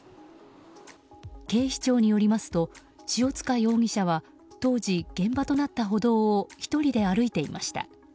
警視庁によりますと塩塚容疑者は当時、現場となった歩道を１人で歩いていました。